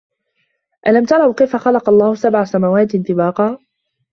أَلَم تَرَوا كَيفَ خَلَقَ اللَّهُ سَبعَ سَماواتٍ طِباقًا